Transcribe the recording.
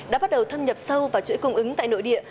đã bắt đầu thâm nhập sâu vào chuỗi cung ứng tại nội địa